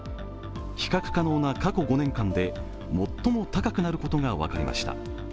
比較可能な過去５年間で最も高くなることが分かりました。